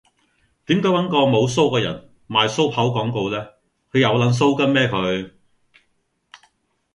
點解搵個無鬚嘅人賣鬚刨廣告呢？佢有撚鬚根咩佢